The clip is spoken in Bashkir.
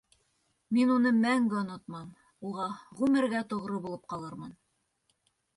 Мин уны мәңге онотмам, уға ғүмергә тоғро булып ҡалырмын...